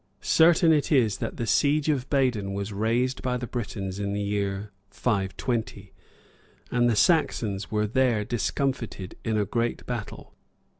Certain it is, that the siege of Badon was raised by the Britons in the year 520; and the Saxons were there discomfited in a great battle.